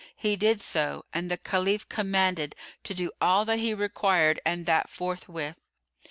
He did so and the Caliph commanded to do all that he required and that forthwith.